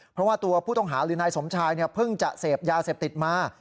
เพราะว่าตัวผู้ต้องหาหรือนายสมชายเพิ่งจะเสพยาเสพติดมา